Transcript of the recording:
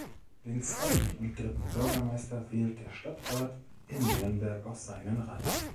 Den zweiten und dritten Bürgermeister wählt der Stadtrat in Nürnberg aus seinen Reihen.